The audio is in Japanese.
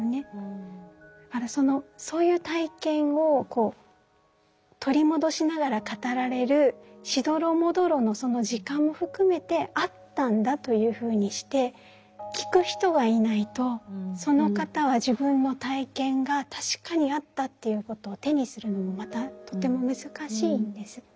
だからそのそういう体験をこう取り戻しながら語られるしどろもどろのその時間も含めてあったんだというふうにして聞く人がいないとその方は自分の体験が確かにあったということを手にするのもまたとても難しいんです。